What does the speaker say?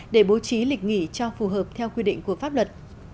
để bố trí lịch nghỉ cho phù hợp theo quy định của pháp luật